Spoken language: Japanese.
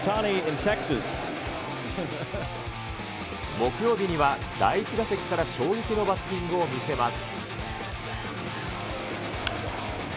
木曜日には第１打席から衝撃のバッティングを見せます。